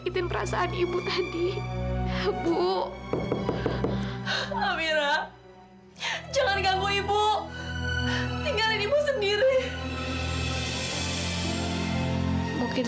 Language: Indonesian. sampai jumpa di video selanjutnya